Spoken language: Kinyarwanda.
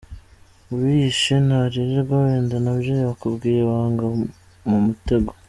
Uwiyishe ntaririrwa! Wenda ntabyo yakubwiye wagwa mu mutego.